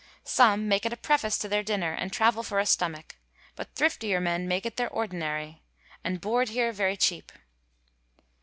Some make it a Preface to their Dinner, and Trauell for a Stomache : but thriftier men make it their Ordinarie : and Boord here verie cheape.'